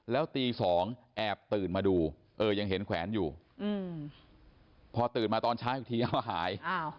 แล้วตี๒แอบตื่นมาดูเออยังเห็นแขวนอยู่พอตื่นมาตอนเช้าอีกทีเอามาหาย